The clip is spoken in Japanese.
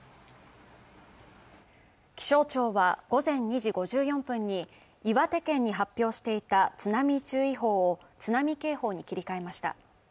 気象庁は午前２時５４分に岩手県に発表していた津波注意報を津波警報に切り替えました。